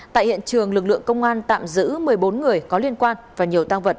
tại hiện trường lực lượng công an tạm giữ một mươi bốn người có liên quan và nhiều tăng vật